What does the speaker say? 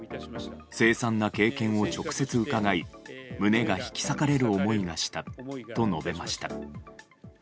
凄惨な経験を直接伺い胸が引き裂かれる思いがしたと述べました。